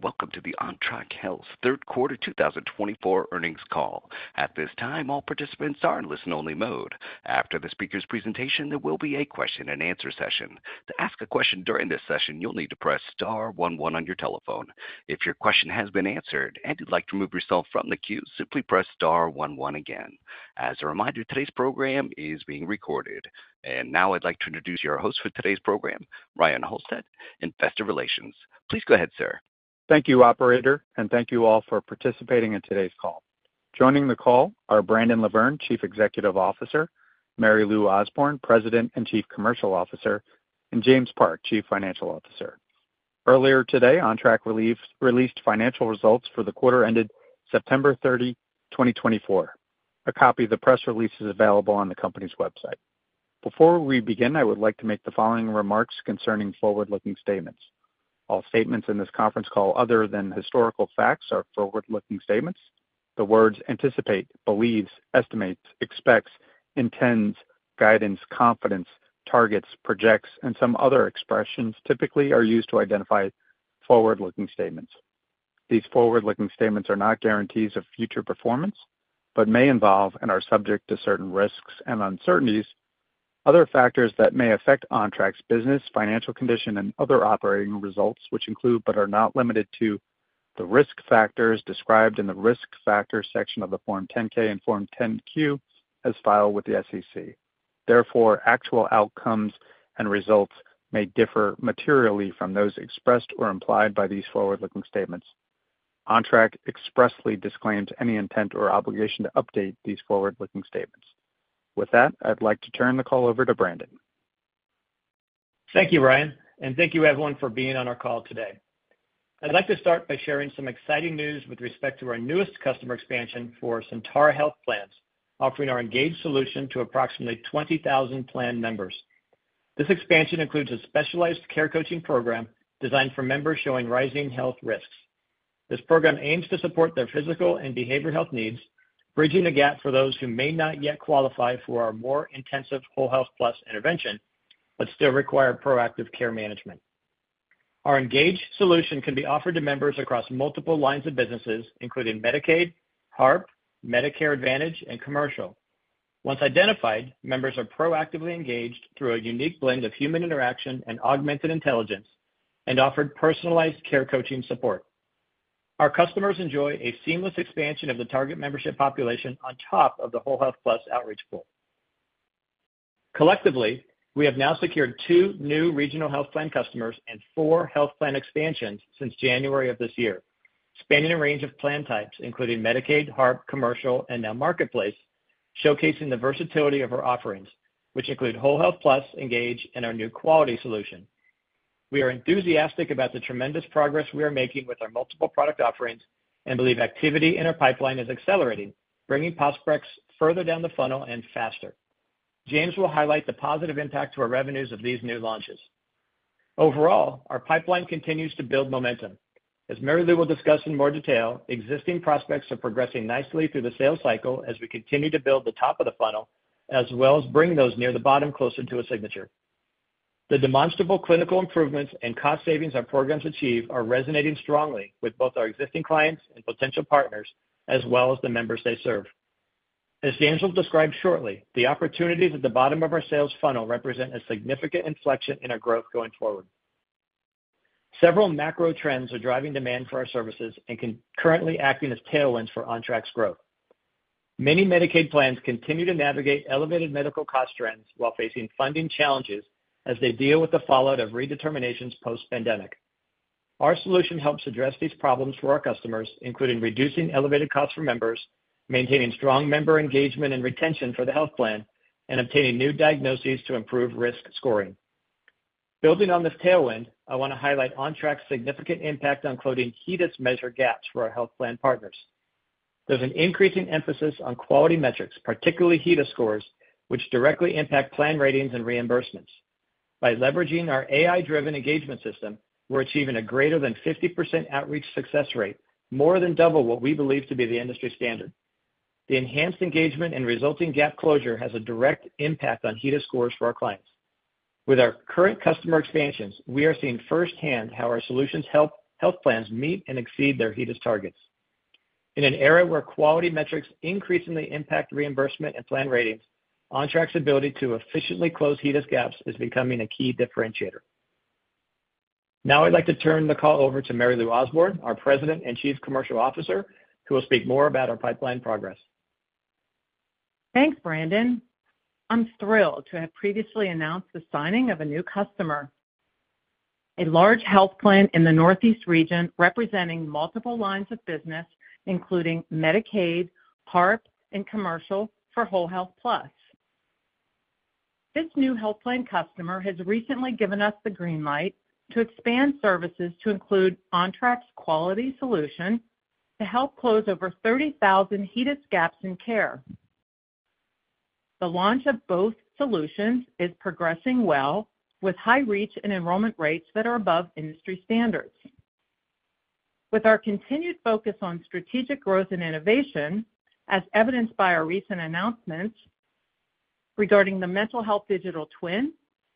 Welcome to the Ontrak Health Third Quarter 2024 Earnings Call. At this time, all participants are in listen-only mode. After the speaker's presentation, there will be a question-and-answer session. To ask a question during this session, you'll need to press star one one on your telephone. If your question has been answered and you'd like to remove yourself from the queue, simply press star one one again. As a reminder, today's program is being recorded. Now I'd like to introduce your host for today's program, Ryan Halsted, in Investor Relations. Please go ahead, sir. Thank you, Operator, and thank you all for participating in today's call. Joining the call are Brandon LaVerne, Chief Executive Officer; Mary Louise Osborne, President and Chief Commercial Officer; and James Park, Chief Financial Officer. Earlier today, Ontrak released financial results for the quarter ended September 30, 2024. A copy of the press release is available on the company's website. Before we begin, I would like to make the following remarks concerning forward-looking statements. All statements in this conference call, other than historical facts, are forward-looking statements. The words anticipate, believes, estimates, expects, intends, guidance, confidence, targets, projects, and some other expressions typically are used to identify forward-looking statements. These forward-looking statements are not guarantees of future performance but may involve and are subject to certain risks and uncertainties. Other factors that may affect Ontrak's business, financial condition, and other operating results, which include but are not limited to the risk factors described in the risk factor section of the Form 10-K and Form 10-Q as filed with the SEC. Therefore, actual outcomes and results may differ materially from those expressed or implied by these forward-looking statements. Ontrak expressly disclaims any intent or obligation to update these forward-looking statements. With that, I'd like to turn the call over to Brandon. Thank you, Ryan, and thank you, everyone, for being on our call today. I'd like to start by sharing some exciting news with respect to our newest customer expansion for Sentara Health Plans, offering our Engage solution to approximately 20,000 plan members. This expansion includes a specialized care coaching program designed for members showing rising health risks. This program aims to support their physical and behavioral health needs, bridging the gap for those who may not yet qualify for our more intensive WholeHealth+ intervention but still require proactive care management. Our Engage solution can be offered to members across multiple lines of businesses, including Medicaid, HARP, Medicare Advantage, and commercial. Once identified, members are proactively engaged through a unique blend of human interaction and augmented intelligence and offered personalized care coaching support. Our customers enjoy a seamless expansion of the target membership population on top of the WholeHealth+ outreach pool. Collectively, we have now secured two new regional health plan customers and four health plan expansions since January of this year, spanning a range of plan types, including Medicaid, HARP, commercial, and now marketplace, showcasing the versatility of our offerings, which include WholeHealth+, Engage, and our new Quality Solution. We are enthusiastic about the tremendous progress we are making with our multiple product offerings and believe activity in our pipeline is accelerating, bringing prospects further down the funnel and faster. James will highlight the positive impact to our revenues of these new launches. Overall, our pipeline continues to build momentum. As Mary Lou will discuss in more detail, existing prospects are progressing nicely through the sales cycle as we continue to build the top of the funnel, as well as bring those near the bottom closer to a signature. The demonstrable clinical improvements and cost savings our programs achieve are resonating strongly with both our existing clients and potential partners, as well as the members they serve. As James will describe shortly, the opportunities at the bottom of our sales funnel represent a significant inflection in our growth going forward. Several macro trends are driving demand for our services and currently acting as tailwinds for Ontrak's growth. Many Medicaid plans continue to navigate elevated medical cost trends while facing funding challenges as they deal with the fallout of redeterminations post-pandemic. Our solution helps address these problems for our customers, including reducing elevated costs for members, maintaining strong member engagement and retention for the health plan, and obtaining new diagnoses to improve risk scoring. Building on this tailwind, I want to highlight Ontrak's significant impact on coding HEDIS measure gaps for our health plan partners. There's an increasing emphasis on quality metrics, particularly HEDIS scores, which directly impact plan ratings and reimbursements. By leveraging our AI-driven engagement system, we're achieving a greater than 50% outreach success rate, more than double what we believe to be the industry standard. The enhanced engagement and resulting gap closure has a direct impact on HEDIS scores for our clients. With our current customer expansions, we are seeing firsthand how our solutions help health plans meet and exceed their HEDIS targets. In an era where quality metrics increasingly impact reimbursement and plan ratings, Ontrak's ability to efficiently close HEDIS gaps is becoming a key differentiator. Now I'd like to turn the call over to Mary Louise Osborne, our President and Chief Commercial Officer, who will speak more about our pipeline progress. Thanks, Brandon. I'm thrilled to have previously announced the signing of a new customer, a large health plan in the Northeast region representing multiple lines of business, including Medicaid, HARP, and commercial for WholeHealth+. This new health plan customer has recently given us the green light to expand services to include Ontrak's Quality Solution to help close over 30,000 HEDIS gaps in care. The launch of both solutions is progressing well, with high reach and enrollment rates that are above industry standards. With our continued focus on strategic growth and innovation, as evidenced by our recent announcements regarding the Mental Health Digital Twin,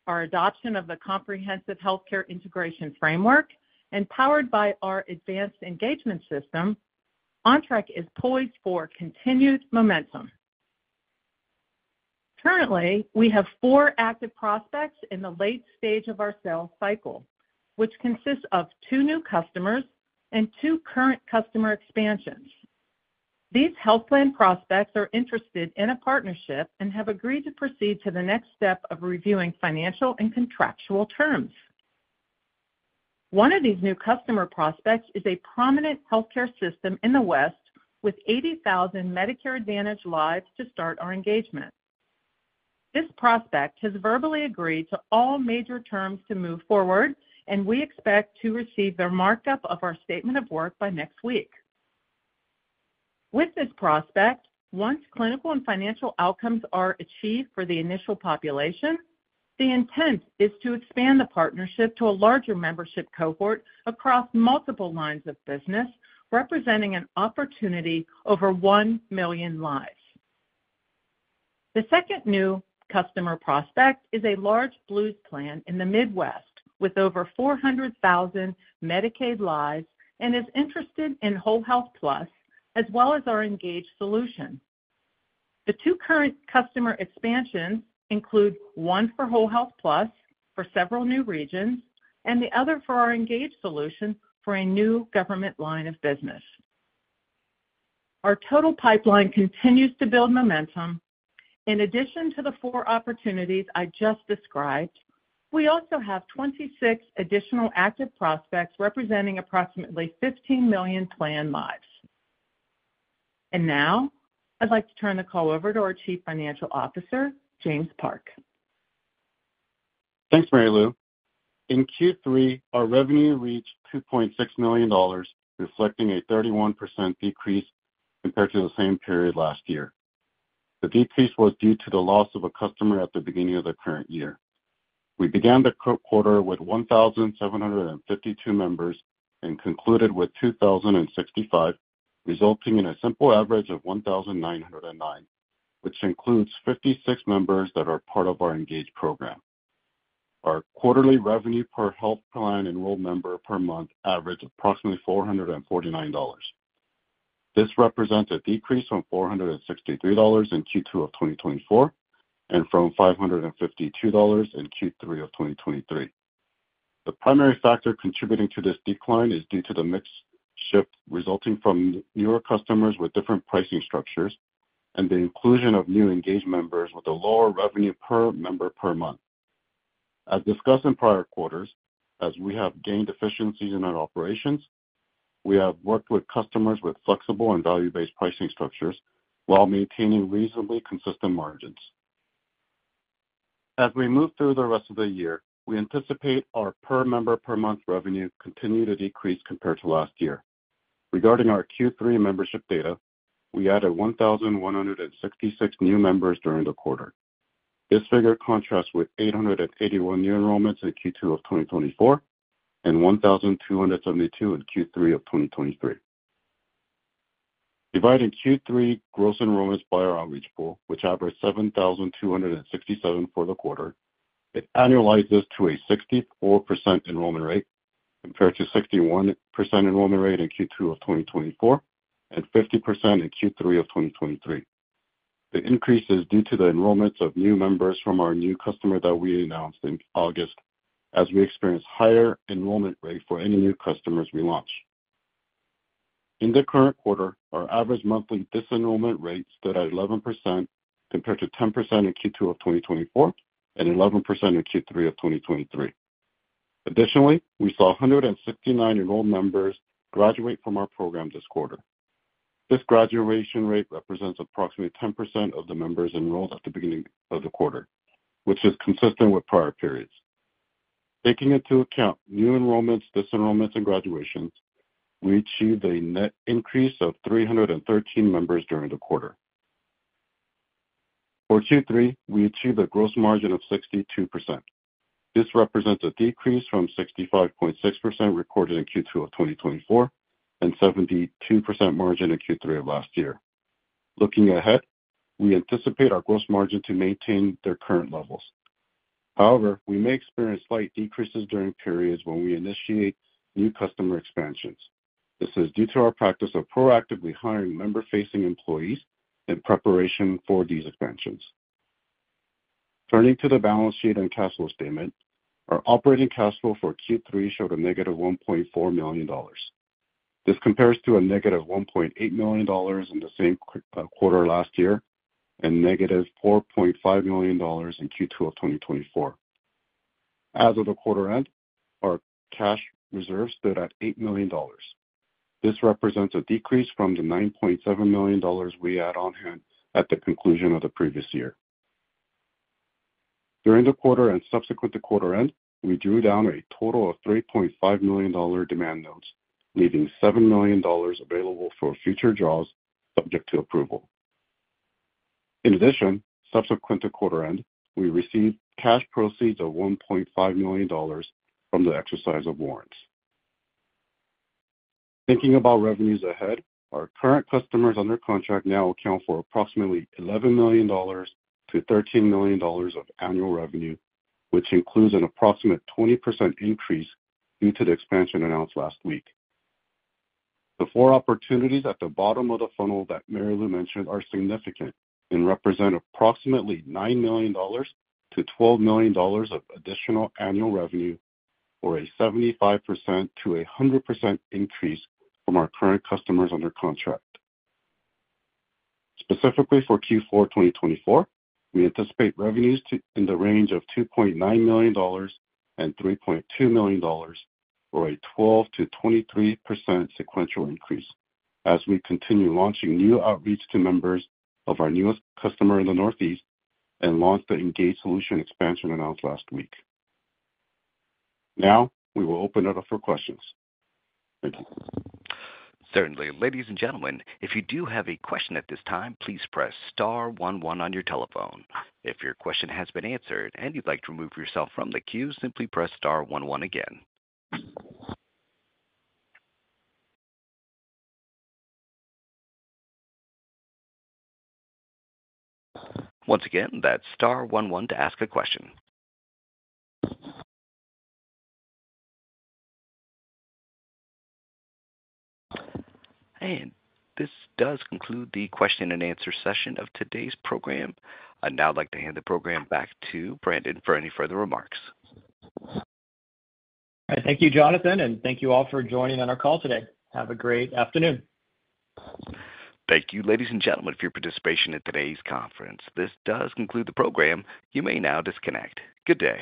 our adoption of the Comprehensive Healthcare Integration Framework, and powered by our Advanced Engagement System, Ontrak is poised for continued momentum. Currently, we have four active prospects in the late stage of our sales cycle, which consists of two new customers and two current customer expansions. These health plan prospects are interested in a partnership and have agreed to proceed to the next step of reviewing financial and contractual terms. One of these new customer prospects is a prominent health care system in the West with 80,000 Medicare Advantage lives to start our engagement. This prospect has verbally agreed to all major terms to move forward, and we expect to receive their markup of our statement of work by next week. With this prospect, once clinical and financial outcomes are achieved for the initial population, the intent is to expand the partnership to a larger membership cohort across multiple lines of business, representing an opportunity over 1 million lives. The second new customer prospect is a large Blues plan in the Midwest with over 400,000 Medicaid lives and is interested in WholeHealth+ as well as our Engage solution. The two current customer expansions include one for WholeHealth+ for several new regions and the other for our Engage solution for a new government line of business. Our total pipeline continues to build momentum. In addition to the four opportunities I just described, we also have 26 additional active prospects representing approximately 15 million plan lives, and now I'd like to turn the call over to our Chief Financial Officer, James Park. Thanks, Mary Lou. In Q3, our revenue reached $2.6 million, reflecting a 31% decrease compared to the same period last year. The decrease was due to the loss of a customer at the beginning of the current year. We began the quarter with 1,752 members and concluded with 2,065, resulting in a simple average of 1,909, which includes 56 members that are part of our Engage program. Our quarterly revenue per health plan enrolled member per month averaged approximately $449. This represents a decrease from $463 in Q2 of 2024 and from $552 in Q3 of 2023. The primary factor contributing to this decline is due to the mix shift resulting from newer customers with different pricing structures and the inclusion of new Engage members with a lower revenue per member per month. As discussed in prior quarters, as we have gained efficiencies in our operations, we have worked with customers with flexible and value-based pricing structures while maintaining reasonably consistent margins. As we move through the rest of the year, we anticipate our per member per month revenue continuing to decrease compared to last year. Regarding our Q3 membership data, we added 1,166 new members during the quarter. This figure contrasts with 881 new enrollments in Q2 of 2024 and 1,272 in Q3 of 2023. Dividing Q3 gross enrollments by our outreach pool, which averaged 7,267 for the quarter, it annualizes to a 64% enrollment rate compared to a 61% enrollment rate in Q2 of 2024 and 50% in Q3 of 2023. The increase is due to the enrollments of new members from our new customer that we announced in August, as we experience a higher enrollment rate for any new customers we launch. In the current quarter, our average monthly disenrollment rate stood at 11% compared to 10% in Q2 of 2024 and 11% in Q3 of 2023. Additionally, we saw 169 enrolled members graduate from our program this quarter. This graduation rate represents approximately 10% of the members enrolled at the beginning of the quarter, which is consistent with prior periods. Taking into account new enrollments, disenrollments, and graduations, we achieved a net increase of 313 members during the quarter. For Q3, we achieved a gross margin of 62%. This represents a decrease from 65.6% recorded in Q2 of 2024 and a 72% margin in Q3 of last year. Looking ahead, we anticipate our gross margin to maintain their current levels. However, we may experience slight decreases during periods when we initiate new customer expansions. This is due to our practice of proactively hiring member-facing employees in preparation for these expansions. Turning to the balance sheet and cash flow statement, our operating cash flow for Q3 showed a -$1.4 million. This compares to a negative $1.8 million in the same quarter last year and a -$4.5 million in Q2 of 2024. As of the quarter end, our cash reserves stood at $8 million. This represents a decrease from the $9.7 million we had on hand at the conclusion of the previous year. During the quarter and subsequent to quarter end, we drew down a total of $3.5 million in demand notes, leaving $7 million available for future draws subject to approval. In addition, subsequent to quarter end, we received cash proceeds of $1.5 million from the exercise of warrants. Thinking about revenues ahead, our current customers under contract now account for approximately $11 million-$13 million of annual revenue, which includes an approximate 20% increase due to the expansion announced last week. The four opportunities at the bottom of the funnel that Mary Lou mentioned are significant and represent approximately $9 million-$12 million of additional annual revenue for a 75%-100% increase from our current customers under contract. Specifically for Q4 2024, we anticipate revenues in the range of $2.9 million and $3.2 million for a 12%-23% sequential increase as we continue launching new outreach to members of our newest customer in the Northeast and launched the Engage solution expansion announced last week. Now we will open it up for questions. Thank you. Certainly. Ladies and gentlemen, if you do have a question at this time, please press star one one on your telephone. If your question has been answered and you'd like to remove yourself from the queue, simply press star one one again. Once again, that's star one one to ask a question. And this does conclude the question and answer session of today's program. I'd now like to hand the program back to Brandon for any further remarks. All right. Thank you, Jonathan, and thank you all for joining on our call today. Have a great afternoon. Thank you, ladies and gentlemen, for your participation in today's conference. This does conclude the program. You may now disconnect. Good day.